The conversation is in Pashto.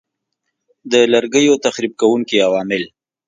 د لرګیو تخریب کوونکي عوامل